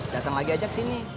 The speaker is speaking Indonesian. dateng lagi ajak sini